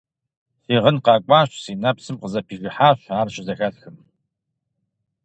Си гъын къэкӀуащ, си нэпсым къызэпижыхьащ, ар щызэхэсхым…